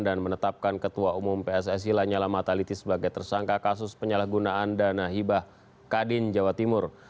dan menetapkan ketua umum pssi lanyala mataliti sebagai tersangka kasus penyalahgunaan dana hibah kadin jawa timur